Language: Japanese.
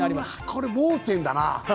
これ盲点だな！